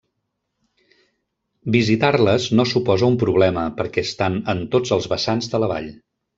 Visitar-les no suposa un problema, perquè estan en tots els vessants de la vall.